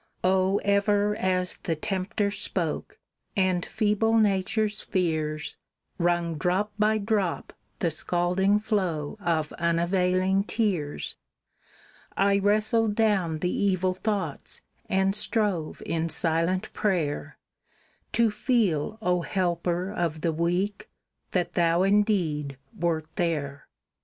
Oh, ever as the Tempter spoke, and feeble Nature's fears Wrung drop by drop the scalding flow of unavailing tears, I wrestled down the evil thoughts, and strove in silent prayer, To feel, O Helper of the weak! that Thou indeed wert there!